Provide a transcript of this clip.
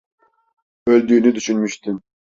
Öldüğünü düşünmüştüm.